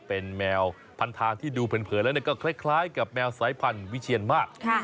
เป็นแมวพันธานที่ดูเผินแล้วก็คล้ายกับแมวสายพันธุ์วิเชียนมาก